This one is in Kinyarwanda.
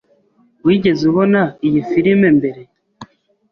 Wigeze ubona iyi firime mbere?